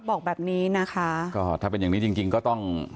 บอกแบบนี้นะคะก็ถ้าเป็นอย่างนี้จริงจริงก็ต้อง